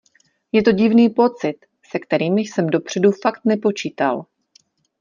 Je to divný pocit, se kterým jsem dopředu fakt nepočítal.